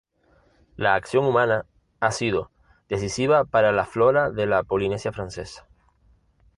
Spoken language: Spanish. La acción humana ha sido decisiva para la flora de la Polinesia Francesa.